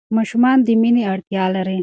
ماشومان د مینې اړتیا لري.